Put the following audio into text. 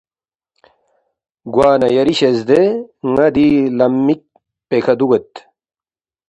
گوانہ کِھری شزدے ن٘ا دی لم مِک پیکھہ دُوگید